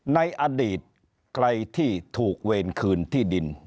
ในอดีตใครที่ถูกเวรคืนที่ดิน